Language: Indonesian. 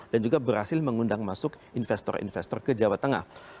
dan juga berhasil mengundang masuk investor investor ke jawa tengah